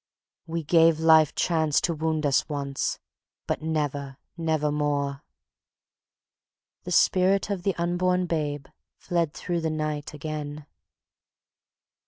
We gave Life chance to wound us once, but never, never more. ..." The Spirit of the Unborn Babe fled through the night again.